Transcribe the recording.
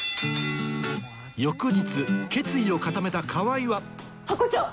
翌日決意を固めた川合はハコ長！